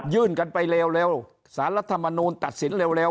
กันไปเร็วสารรัฐมนูลตัดสินเร็ว